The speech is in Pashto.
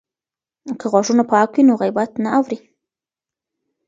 که غوږونه پاک وي نو غیبت نه اوري.